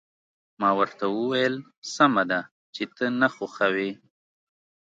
ما ورته وویل: سمه ده، چې ته نه خوښوې.